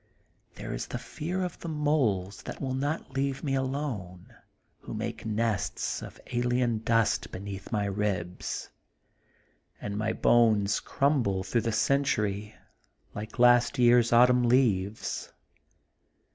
There is the fear of the moles that will not leave me alone, who make nests of alien dust, beneath my ribs. And my bones crumble through the century, like last year 's autumn leaves.